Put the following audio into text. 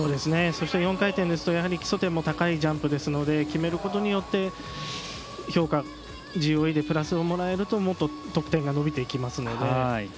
そして、４回転ですと基礎点も高いジャンプですので決めることによって評価、ＧＯＥでプラスをもらえるともっと得点が伸びるので。